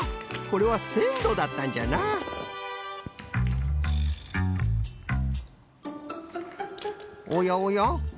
これはせんろだったんじゃなおやおや？